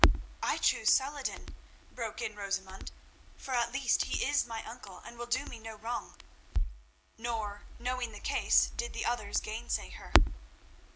"I choose Salah ed din," broke in Rosamund, "for at least he is my uncle, and will do me no wrong." Nor, knowing the case, did the others gainsay her.